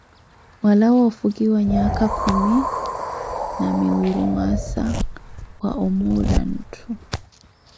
Mwalawa ofukiwa nyaaka khumi na miwiri, mwaasa wa omuula ntthu.